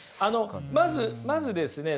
まずまずですね